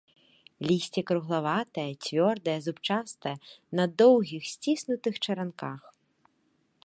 Лісце круглаватае, цвёрдае, зубчастае, на доўгіх, сціснутых чаранках.